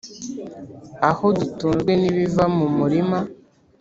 Aho dutunzwe nibiva mumurima